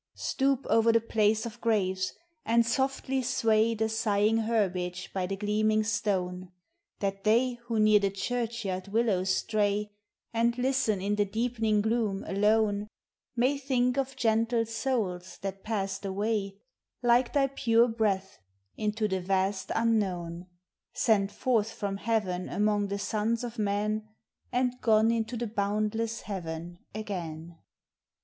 Stoop o'er the place of graves, and softlj The sighing herbage by the gleaming stone, That they who near the churchyard willows stray, And listen in the deepening gloom, alone, May think of gentle souls that passed away, Like thy pure breath, into the fail unknown, Sent forth from heaven among the SODS ol men, And gone into the boundless heaven again. 56 POEMS OF NATURE.